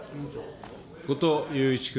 後藤祐一君。